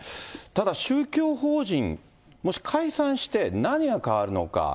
ただ宗教法人、もし解散して、何が変わるのか。